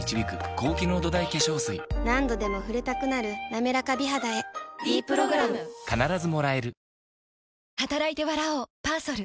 何度でも触れたくなる「なめらか美肌」へ「ｄプログラム」あっつ。